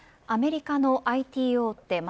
アメリカのＩＴ大手